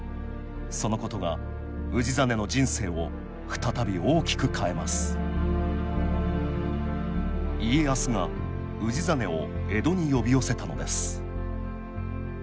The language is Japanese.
そのことが氏真の人生を再び大きく変えます家康が氏真を江戸に呼び寄せたのです